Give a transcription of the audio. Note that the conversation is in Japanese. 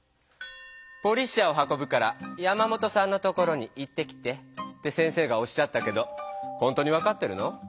「ポリッシャーを運ぶから山本さんの所に行ってきて」って先生がおっしゃったけどほんとに分かってるの？